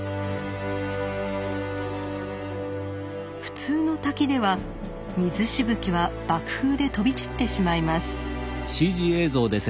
普通の滝では水しぶきは瀑風で飛び散ってしまいます。